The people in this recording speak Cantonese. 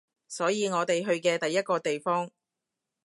所以我哋去嘅第一個地方